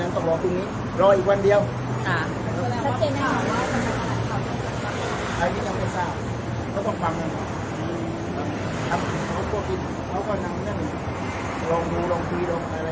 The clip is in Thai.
อืมครับครับพวกเขากินเขาก็นั่งนั่งลงดูลงคุยลงอะไรแหละ